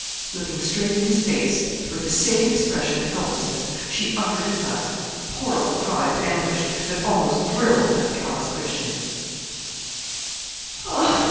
Looking straight in his face, with the same expression of helplessness, she uttered at last a horrible cry of anguish that almost thrilled that callous Christian.